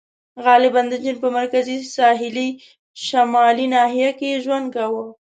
• غالباً د چین په مرکزي ساحلي شمالي ناحیه کې یې ژوند کاوه.